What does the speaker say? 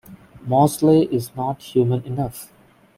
Mosley is not human enough.